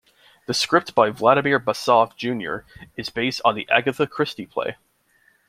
The script by Vladimir Basov Junior is based on the Agatha Christie play.